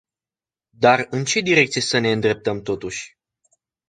Dar în ce direcție să ne îndreptăm totuși?